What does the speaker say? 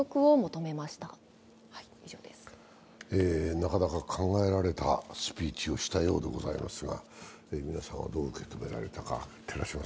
なかなか考えられたスピーチをしたようですが、皆さんはどう受け止められましたか。